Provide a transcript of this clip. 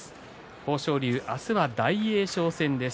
豊昇龍、明日は大栄翔戦です。